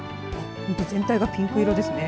全体がピンク色ですね。